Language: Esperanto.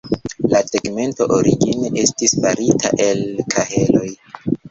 La tegmento origine estis farita el kaheloj.